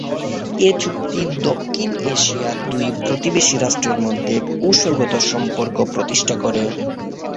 এ চুক্তি দক্ষিণ এশিয়ার দুই প্রতিবেশী রাষ্ট্রের মধ্যে কৌশলগত সম্পর্ক প্রতিষ্ঠা করে।